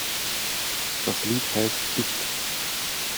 Das Lied heißt "It".